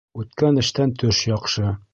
Үткән эштән төш яҡшы.